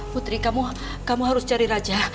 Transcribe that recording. putri kamu harus cari raja